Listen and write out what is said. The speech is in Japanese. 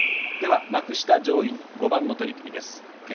幕下上位５番の取組です。